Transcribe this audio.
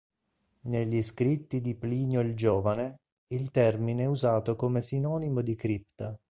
Negli scritti di Plinio il Giovane, il termine è usato come sinonimo di cripta.